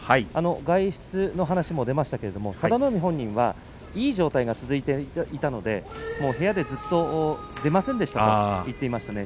外出の話も出ましたけれども佐田の海本人は、いい状態が続いていたので、部屋でずっと出ませんでしたと言っていました。